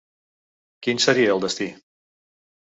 Quin seria el destí?